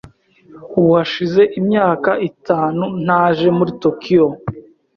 Ubu hashize imyaka itanu ntaje muri Tokiyo.